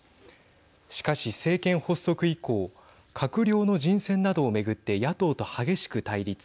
しかし、政権発足以降閣僚の人選などを巡って野党と激しく対立。